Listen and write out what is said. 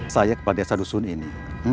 saya kepada sadusun ini